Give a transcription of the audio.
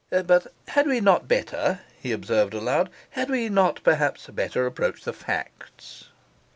'But had we not better,' he observed aloud, 'had we not perhaps better approach the facts?